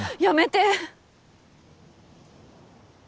やめて！